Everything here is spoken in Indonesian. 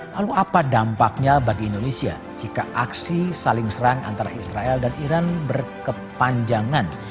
lalu apa dampaknya bagi indonesia jika aksi saling serang antara israel dan iran berkepanjangan